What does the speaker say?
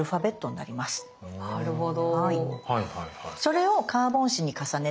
なるほど。